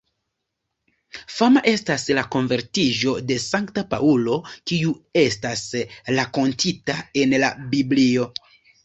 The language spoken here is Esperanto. Fama estas la konvertiĝo de Sankta Paŭlo, kiu estas rakontita en la Biblio.